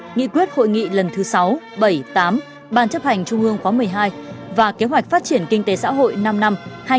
nghị quyết hội nghị lần thứ sáu bảy tám ban chấp hành trung ương khóa một mươi hai và kế hoạch phát triển kinh tế xã hội năm năm hai nghìn hai mươi một hai nghìn hai mươi